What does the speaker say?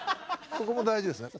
ここも大事ですね。